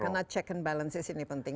karena check and balance di sini penting